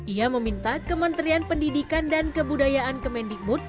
ia meminta kementerian pendidikan dan kebudayaan kemendikbud